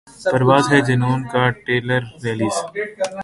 پرواز ہے جنون کا trailer release